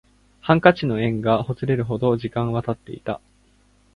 ハンカチの縁がほつれるほど時間は経っていた